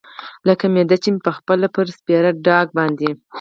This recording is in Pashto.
لکه معده چې مې پخپله پر سپېره ډاګ باندې.